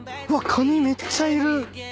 カニめっちゃいる！